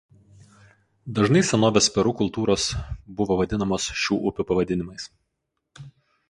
Dažnai senovės Peru kultūros buvo vadinamos šių upių pavadinimais.